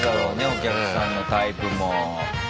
お客さんのタイプも。